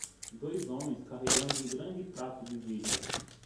Dois homens carregando um grande prato de vidro.